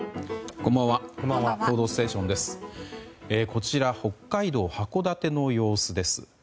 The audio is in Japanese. こちら、北海道函館の様子です。